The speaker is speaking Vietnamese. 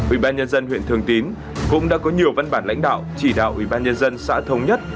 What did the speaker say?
ubnd huyện thường tín cũng đã có nhiều văn bản lãnh đạo chỉ đạo ubnd xã thống nhất